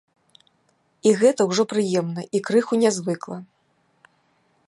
І гэта ўжо прыемна і крыху нязвыкла.